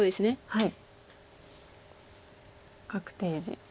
はい。